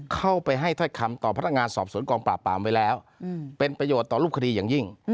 เข้าไปให้ถ้อยคำต่อพนักงานสอบสวนกองปราบปรามไว้แล้วเป็นประโยชน์ต่อรูปคดีอย่างยิ่ง